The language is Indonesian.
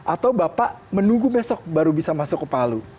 atau bapak menunggu besok baru bisa masuk ke palu